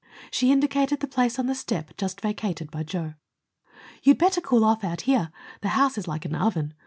She indicated the place on the step just vacated by Joe. "You'd better cool off out here. The house is like an oven.